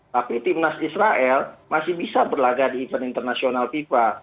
tapi tim nas israel masih bisa berlagak di event internasional fifa